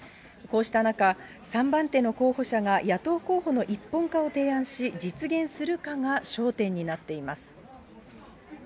こうした中、３番手の候補者が野党候補の一本化を提案し、実現するかが焦点になっています。